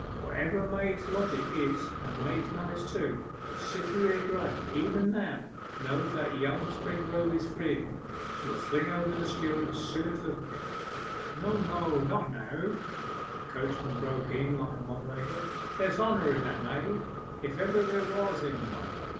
'Whatever maids' logic is and maids' malice too, if Cytherea Graye even now knows that young Springrove is free again, she'll fling over the steward as soon as look at him.' 'No, no: not now,' the coachman broke in like a moderator. 'There's honour in that maid, if ever there was in one.